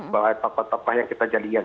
bahwa tokoh tokoh yang kita jadikan